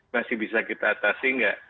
masih bisa kita atasi nggak